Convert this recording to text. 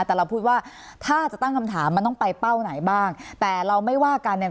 แต่เราพูดว่าถ้าจะตั้งคำถามมันต้องไปเป้าไหนบ้างแต่เราไม่ว่ากันเนี่ย